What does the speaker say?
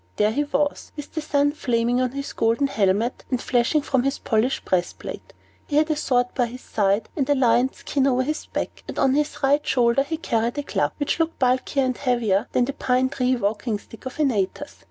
There he was, with the sun flaming on his golden helmet, and flashing from his polished breastplate; he had a sword by his side, and a lion's skin over his back, and on his right shoulder he carried a club, which looked bulkier and heavier than the pine tree walking stick of Antaeus.